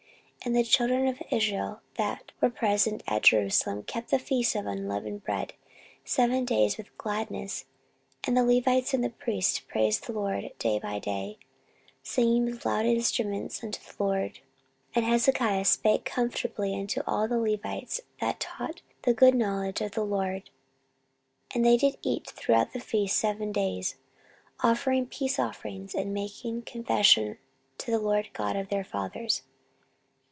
14:030:021 And the children of Israel that were present at Jerusalem kept the feast of unleavened bread seven days with great gladness: and the Levites and the priests praised the LORD day by day, singing with loud instruments unto the LORD. 14:030:022 And Hezekiah spake comfortably unto all the Levites that taught the good knowledge of the LORD: and they did eat throughout the feast seven days, offering peace offerings, and making confession to the LORD God of their fathers.